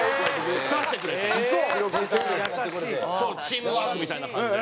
チームワークみたいな感じで。